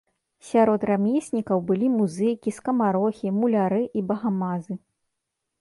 Сярод рамеснікаў былі музыкі, скамарохі, муляры і багамазы.